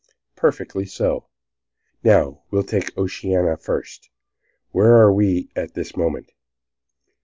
"Perfectly so. Now we'll take Oceanica first; where are we at this moment?